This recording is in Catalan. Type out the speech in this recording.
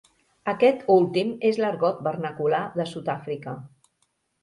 Aquest últim és l'argot vernacular de Sud-àfrica.